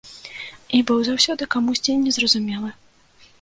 І быў заўсёды камусьці незразумелы.